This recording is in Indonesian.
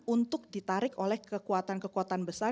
untuk ditarik oleh kekuatan kekuatan besar